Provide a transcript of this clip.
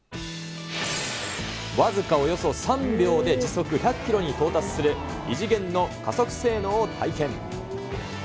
僅かおよそ３秒で時速１００キロに到達する、異次元の加速性能を体験。